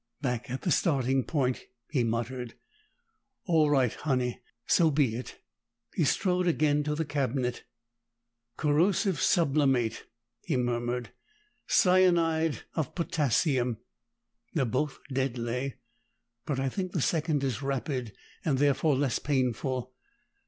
"Back at the starting point," he muttered. "All right, Honey. So be it!" He strode again to the cabinet. "Corrosive sublimate," he murmured. "Cyanide of Potassium. They're both deadly, but I think the second is rapid, and therefore less painful.